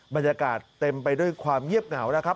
บรรยากาศเต็มไปด้วยความเงียบเหงานะครับ